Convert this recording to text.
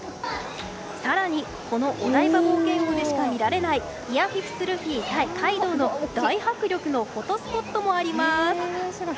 更に、このお台場冒険王でしか見られない「ギア５ルフィＶＳカイドウ」の大迫力のフォトスポットもあります。